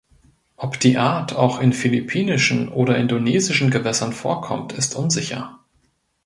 Ob die Art auch in philippinischen oder indonesischen Gewässern vorkommt ist unsicher.